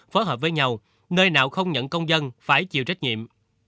phối hợp với nhau nơi nào không nhận công dân phải chịu trách nhiệm